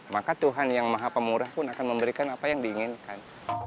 maka tuhan yang maha pemurah pun akan memberikan apa yang diinginkan